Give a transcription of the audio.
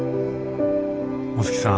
お月さん